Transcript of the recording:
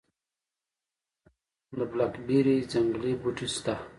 د بلک بیري ځنګلي بوټي شته؟